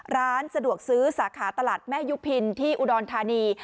ร้านสะดวกซื้อสาขาตลาดแม่ยุพินที่อุดรธานี